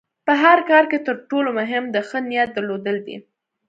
په هر کار کې د تر ټولو مهم د ښۀ نیت درلودل دي.